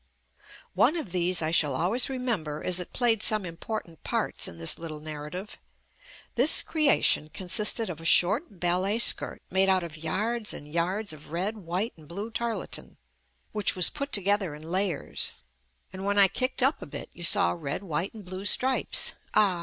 One of these I shall always remember as it played some important parts in this little nar rative. This creation consisted of a short bal JUST ME let skirt made out of yards and yards of red white and blue tarlatan, which was put together in layers, and when I kicked up a bit you saw red, white and blue stripes. Ah